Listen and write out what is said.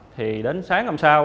thì đến sáng năm sau